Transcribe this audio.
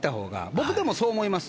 僕でもそう思います。